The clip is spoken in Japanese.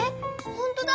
ほんとだ！